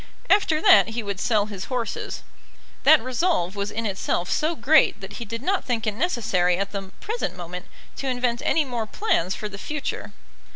After that he would sell his horses. That resolve was in itself so great that he did not think it necessary at the present moment to invent any more plans for the future.